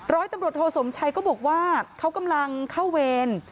ร้อยตำรวจโทสมชัยก็บอกว่าเขากำลังเข้าเวร